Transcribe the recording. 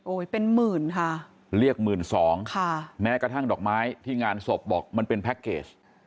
เป็นหมื่นค่ะเรียกหมื่นสองค่ะแม้กระทั่งดอกไม้ที่งานศพบอกมันเป็นแพ็คเกจ